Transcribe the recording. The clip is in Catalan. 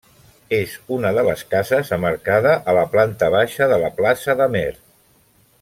És una de les cases amb arcada a la planta baixa de la plaça d'Amer.